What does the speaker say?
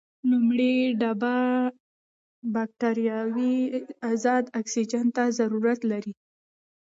لومړۍ ډله بکټریاوې ازاد اکسیجن ته ضرورت لري.